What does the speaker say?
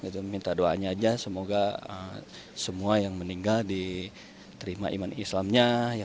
terima kasih doanya aja semoga semua yang meninggal diterima iman islamnya